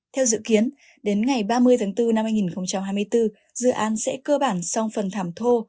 theo dự kiến đến ngày ba mươi tháng bốn năm hai nghìn hai mươi bốn dự án sẽ cơ bản xong phần thảm thô